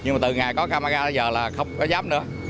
nhưng mà từ ngày có camera bây giờ là không có dám nữa